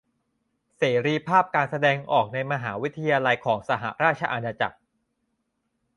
เสรีภาพการแสดงออกในมหาวิทยาลัยของสหราชอาณาจักร